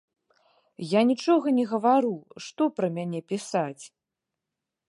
Я нічога не гавару, што пра мяне пісаць.